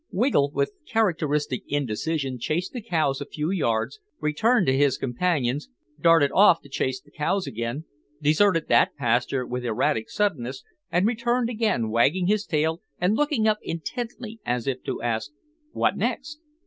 Wiggle, with characteristic indecision, chased the cows a few yards, returned to his companions, darted off to chase the cows again, deserted that pastime with erratic suddenness, and returned again wagging his tail and looking up intently as if to ask, "What next?"